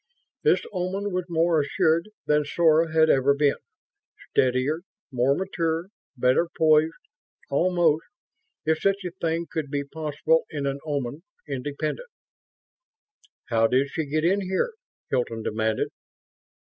This Oman was more assured than Sora had ever been steadier, more mature, better poised almost, if such a thing could be possible in an Oman, independent. "How did she get in here?" Hilton demanded.